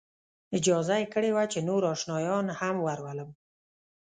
اجازه یې کړې وه چې نور آشنایان هم ورولم.